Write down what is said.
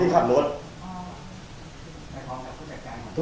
ใครพร้อมกับผู้จัดการคุณ